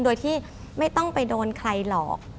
โดยที่ไม่ต้องไปโดนใครหรอก